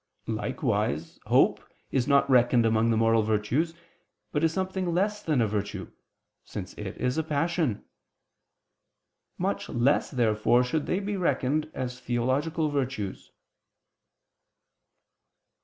Likewise hope is not reckoned among the moral virtues, but is something less than a virtue, since it is a passion. Much less therefore should they be reckoned as theological virtues.